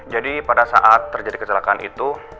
jadi pada saat terjadi kecelakaan itu